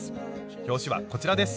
表紙はこちらです。